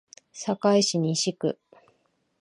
堺市西区